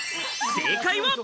正解は。